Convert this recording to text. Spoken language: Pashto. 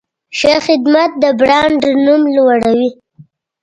ښه خدمت د برانډ نوم لوړوي.